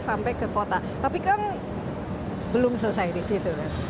oke dua ribu dua puluh sampai ke kota tapi kan belum selesai di situ kan